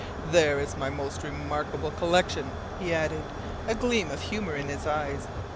" there is my most remarkable collection," he added, a gleam of humour in his eyes.